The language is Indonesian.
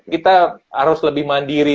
kita harus lebih mandiri